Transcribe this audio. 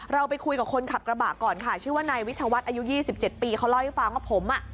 เราไปคุยกับคนขับกระบะก่อนค่ะชื่อว่านายวิทยาวัฒน์อายุ๒๗ปีเขาเล่าให้ฟังว่าผมอ่ะ